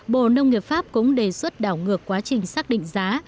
bộ nông nghiệp pháp cũng đề xuất đảo ngược quá trình xác định giá